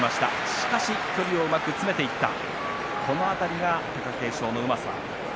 しかし距離をうまく詰めていったこの辺りが貴景勝のうまさ。